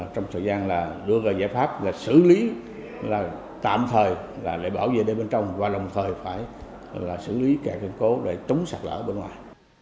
trong thời gian đưa ra giải pháp xử lý tạm thời để bảo vệ đề bên trong và đồng thời phải xử lý kẻ cân cố để trúng sạt lở bên ngoài